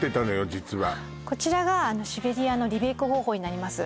実はこちらがシベリアのリベイク方法になります